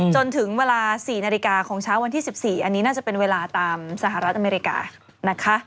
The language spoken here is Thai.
จนถึงเวลา๔นาฬิกาของเช้าวันที่๑๔อันนี้น่าจะเป็นเวลาตามสหรัฐอเมริกานะคะ